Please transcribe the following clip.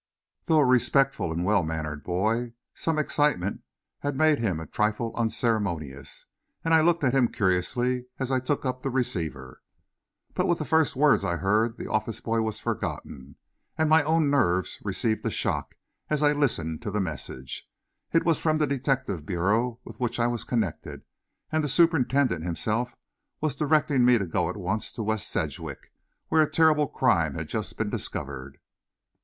Though a respectful and well mannered boy, some excitement had made him a trifle unceremonious, and I looked at him curiously as I took up the receiver. But with the first words I heard, the office boy was forgotten, and my own nerves received a shock as I listened to the message. It was from the Detective Bureau with which I was connected, and the superintendent himself was directing me to go at once to West Sedgwick, where a terrible crime had just been discovered.